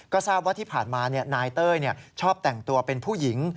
ก็ทราบว่าที่ผ่านมานายเต้ยชอบแต่งตัวเป็นผู้หญิง